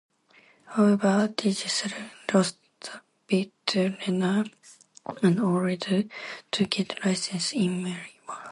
However, Digicel lost the bid to Telenor and Ooredoo to get license in Myanmar.